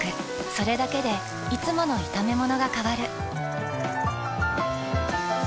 それだけでいつもの炒めものが変わる。